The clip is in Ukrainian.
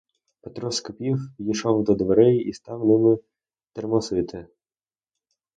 Петро скипів, підійшов до дверей і став ними термосити.